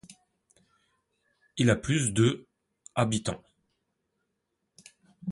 Il a plus de habitants.